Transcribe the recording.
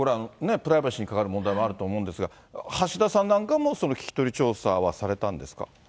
プライバシーに関わる問題もあると思うんですが、橋田さんなんかも聞き取り調査はされたんですか。